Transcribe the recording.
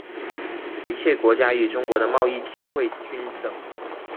一切国家与中国的贸易机会均等。